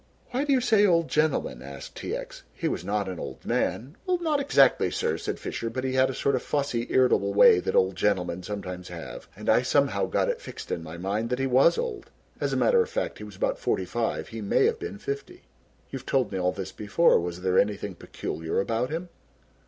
"Why do you say 'old gentleman'!" asked T. X.; "he was not an old man." "Not exactly, sir," said Fisher, "but he had a sort of fussy irritable way that old gentlemen sometimes have and I somehow got it fixed in my mind that he was old. As a matter of fact, he was about forty five, he may have been fifty." "You have told me all this before. Was there anything peculiar about him!"